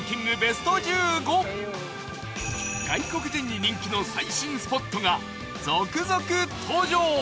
外国人に人気の最新スポットが続々登場！